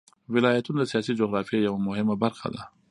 ولایتونه د سیاسي جغرافیه یوه مهمه برخه ده.